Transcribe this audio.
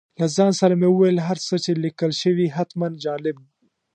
له ځان سره مې وویل هر څه چې لیکل شوي حتماً جالب به وي.